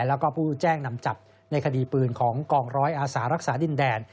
แล้วก็ผู้แจ้งนำจับในคดีปืนของกองร้อยอาสารักษาดินแดน